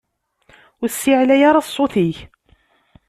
Ur ssiεlay ara ssut-ik!